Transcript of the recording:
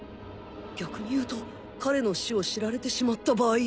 逆に言うと彼の死を知られてしまった場合